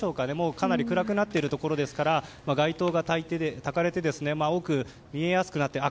かなり暗くなっているところですから街灯がたかれて奥、見えやすくなっている。